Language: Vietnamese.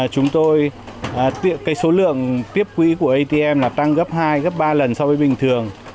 chúng tôi cái số lượng tiếp quỹ của atm là tăng gấp hai gấp ba lần so với bình thường